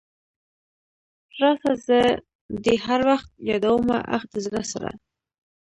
راسه زه دي هر وخت يادومه اخ د زړه سره .